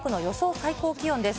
最高気温です。